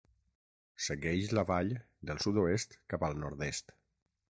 Segueix la vall, del sud-oest cap al nord-est.